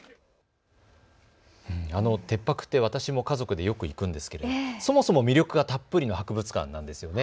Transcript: てっぱくって私も家族でよく行くんですけどそもそも魅力がたっぷりの博物館なんですよね。